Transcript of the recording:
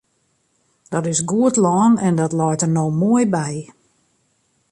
Dat is goed lân en dat leit der no moai by.